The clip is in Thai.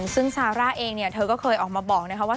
ซึ่งซาร่าเองก็เคยบอกว่า